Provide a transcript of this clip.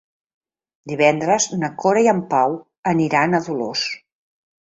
Divendres na Cora i en Pau aniran a Dolors.